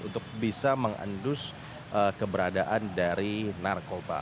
untuk bisa mengendus keberadaan dari narkoba